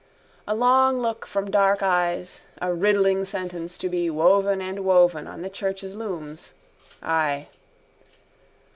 A long look from dark eyes, a riddling sentence to be woven and woven on the church's looms. Ay.